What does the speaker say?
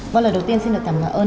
vâng lời đầu tiên xin được cảm ơn